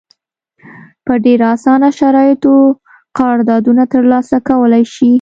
په ډېر اسانه شرایطو قراردادونه ترلاسه کولای شي.